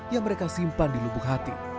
yang mereka simpan di lubuk hati